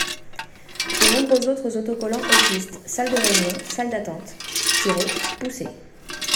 De nombreux autres autocollants existent : salle de réunion, salle d’attente, tirez / poussez...